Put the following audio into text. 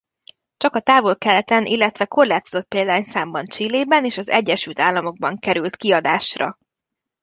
Csak a Távol-Keleten illetve korlátozott példányszámban Chilében és az Egyesült Államokban került kiadásra.